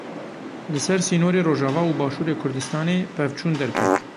Li ser sînorê Rojava û Başûrê Kurdistanê pevçûn derket.